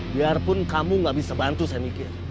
biarpun kamu gak bisa bantu saya mikir